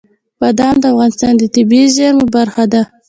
بادام د افغانستان د طبیعي زیرمو برخه ده.